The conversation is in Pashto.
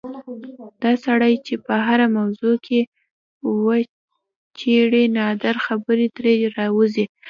دا سړی چې په هره موضوع کې وچېړې نادرې خبرې ترې راوځي.